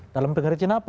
dalam pengertian apa